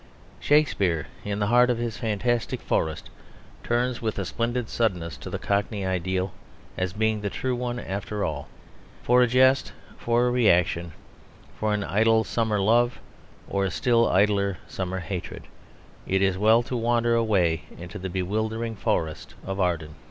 Shakespeare, in the heart of his fantastic forest, turns with a splendid suddenness to the Cockney ideal as being the true one after all. For a jest, for a reaction, for an idle summer love or still idler summer hatred, it is well to wander away into the bewildering forest of Arden.